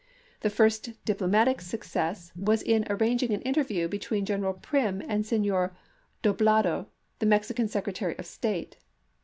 The first diplomatic success was in arrang ing an interview between General Prim and Senor Doblado, the Mexican Secretary of State.